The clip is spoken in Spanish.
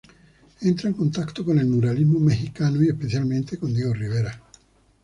Entra en contacto con el muralismo mexicano y especialmente con Diego Rivera.